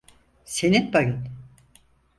Senin payın.